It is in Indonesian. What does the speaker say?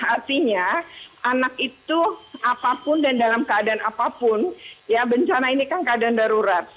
artinya anak itu apapun dan dalam keadaan apapun ya bencana ini kan keadaan darurat